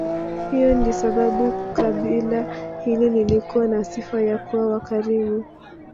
Hii ndiyo sababu kabila hili lilikuwa na sifa ya kuwa wakarimu